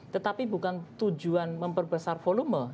tetapi bukan tujuan memperbesar volume